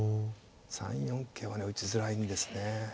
３四桂はね打ちづらいんですね。